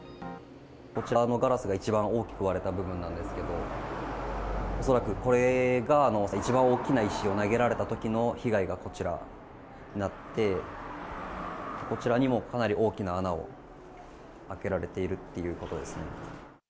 こちらのガラスが一番大きく割れた部分なんですけど、恐らくこれが一番大きな石を投げられたときの被害がこちらになって、こちらにもかなり大きな穴を開けられているっていうことですね。